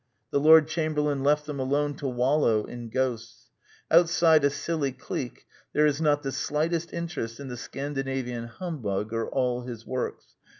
... The Lord Chamberlain left them alone to wallow in Ghosts. ... Outside a silly clique, there is not the slightest interest in the Scandi navian humbug or all his works.